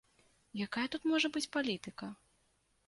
Якая тут можа быць палітыка?